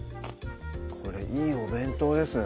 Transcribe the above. これいいお弁当ですね